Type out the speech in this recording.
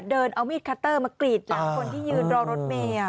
เดินเอามีดคัตเตอร์มากรีดหลังคนที่ยืนรอรถเมย์